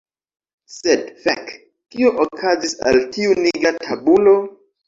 Sed, fek, kio okazis al tiu nigra tabulo?